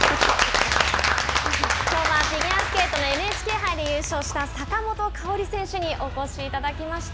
きょうはフィギュアスケートのＮＨＫ杯で優勝した坂本花織選手にお越しいただきました。